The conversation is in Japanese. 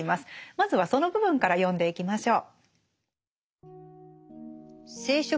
まずはその部分から読んでいきましょう。